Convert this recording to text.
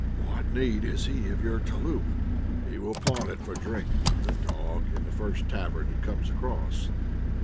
"What need has he of your touloup? He will pawn it for drink, the dog, in the first tavern he comes across."